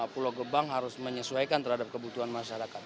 pulau gebang harus menyesuaikan terhadap kebutuhan masyarakat